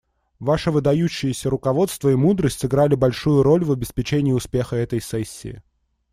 Ваше выдающееся руководство и мудрость сыграли большую роль в обеспечении успеха этой сессии.